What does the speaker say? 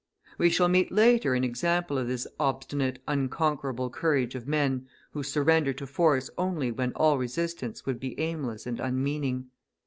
We shall meet later an example of this obstinate, unconquerable courage of men who surrender to force only when all resistance would be aimless and unmeaning.